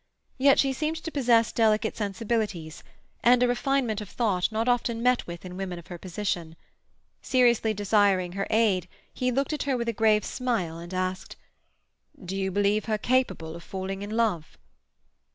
Yet she seemed to possess delicate sensibilities, and a refinement of thought not often met with in women of her position. Seriously desiring her aid, he looked at her with a grave smile, and asked,— "Do you believe her capable of falling in love?"